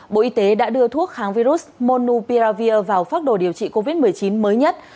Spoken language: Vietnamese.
bộ y tế đã đưa thuốc kháng virus monupiravir vào phát đồ điều trị covid một mươi chín mới nhất